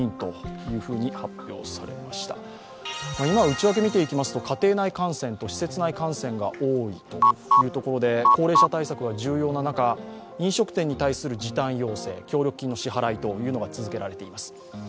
今、内訳を見ていきますと家庭内感染と施設内感染が多いというところで高齢者対策が重要な中、飲食店に対する時短要請、協力金の支払いが続けられています。